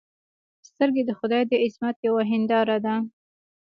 سترګې د خدای د عظمت یوه هنداره ده